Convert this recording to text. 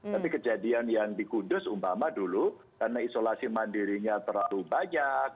tapi kejadian yang di kudus umpama dulu karena isolasi mandirinya terlalu banyak